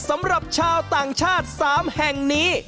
สำหรับชาวต่างชาติ๓แห่งนี้